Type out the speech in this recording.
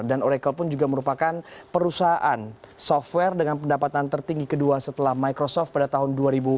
dan oracle pun juga merupakan perusahaan software dengan pendapatan tertinggi kedua setelah microsoft pada tahun dua ribu lima belas